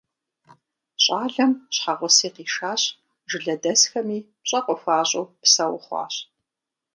ЩӀалэм щхьэгъуси къишащ, жылэдэсхэми пщӀэ къыхуащӀу псэу хъуащ.